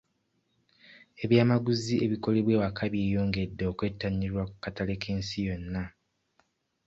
Ebyamaguzi ebikolebwa ewaka byeyongedde okwettanirwa ku katale k'ensi yonna.